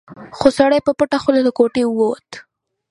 خو سړی په پټه خوله له کوټې ووت.